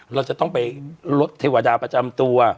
เราจะต้องไปลดเทวดาประจำตัว